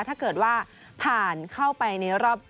ถ้าเกิดว่าผ่านเข้าไปในรอบ